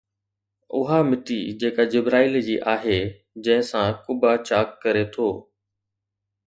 اها مٽي جيڪا جبرائيل جي آهي جنهن سان قبا چاڪ ڪري ٿو